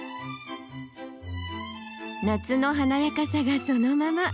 夏の華やかさがそのまま！